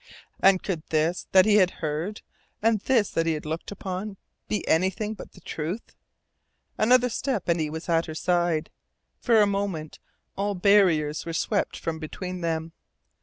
And could this that he had heard, and this that he looked upon be anything but the truth? Another step and he was at her side. For a moment all barriers were swept from between them.